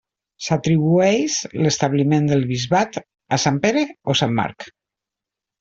S'atribueix l'establiment del bisbat a Sant Pere o Sant Marc.